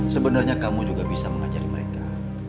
sebenarnya kamu juga bisa mengajari mereka